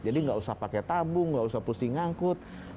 jadi nggak usah pakai tabung nggak usah pusing ngangkut